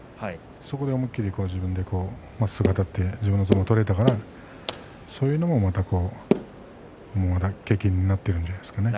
そこで思い切りまっすぐあたって自分の相撲が取れたからそういうのも経験になっているんじゃないですかね。